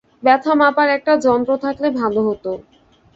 ব্যথা মাপার একটা যন্ত্র থাকলে ভাল হত।